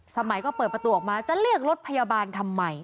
สมัยก็เปิดประตูออกมาจะเรียกรถพยาบาลทำไม